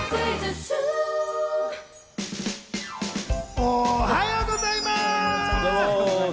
おはようございます。